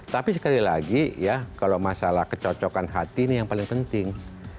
tapi sekali lagi ya kalau masalah kecocokan hati ini yang paling penting